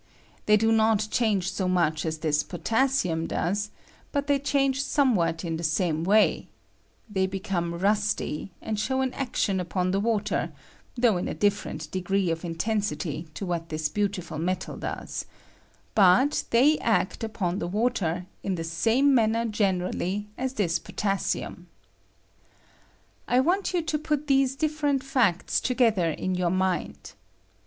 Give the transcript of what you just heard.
They do not change so much as this potassium does, but they change somewhat in the same way; they become rusty, and show an action I upon the water, though in a different degree . of intensity to what this beautiful metal does ; but they act upon the water in the same man ner generally as this potassium, I want you to put these different facts together in your minds.